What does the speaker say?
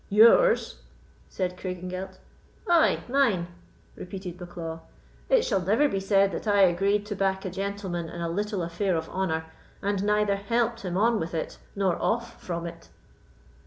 "Yours?" said Craigengelt. "Ay, mine," repeated Bucklaw; "it shall never be said that I agreed to back a gentleman in a little affair of honour, and neither helped him on with it nor off from it."